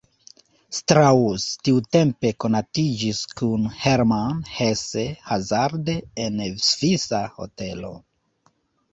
Strauss tiutempe konatiĝis kun Hermann Hesse hazarde en svisa hotelo.